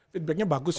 feedbacknya bagus gitu